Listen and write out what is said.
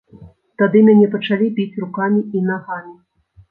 Тады мяне пачалі біць рукамі і нагамі.